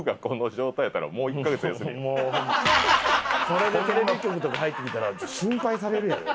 これでテレビ局とか入ってきたら心配されるやろ。